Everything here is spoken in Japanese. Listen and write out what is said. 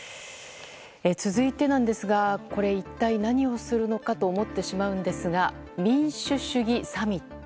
続いてなんですが一体何をするのかと思ってしまうんですが民主主義サミット。